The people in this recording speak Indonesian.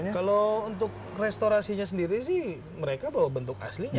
kalau untuk restorasinya sendiri sih mereka bawa bentuk aslinya